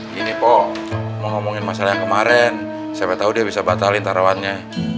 gini poh ngomongin masalah kemarin sampai tahu dia bisa batalin taruhannya